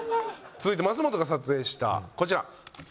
続いて増本が撮影したこちら。